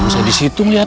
bisa disitu ngeliatin